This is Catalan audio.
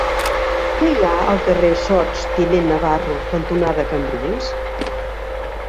Què hi ha al carrer Sots tinent Navarro cantonada Cambrils?